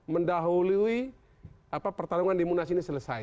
mendahului pertarungan di munas ini selesai